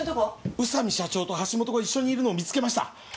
宇佐美社長と橋下が一緒にいるのを見つけました。